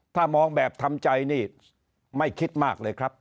ถ้ามองแบบทำใจนี่ไม่คิดมากเลยครับ